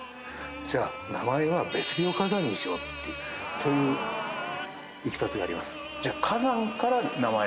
じゃあ名前はヴェスビオ火山にしようってそういういきさつがあります。